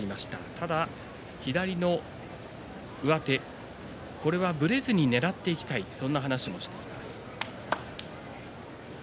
ただ左の上手、これはぶれずに、ねらっていきたいと話していました。